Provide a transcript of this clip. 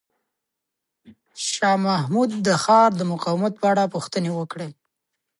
شاه محمود د ښار د مقاومت په اړه پوښتنې وکړې.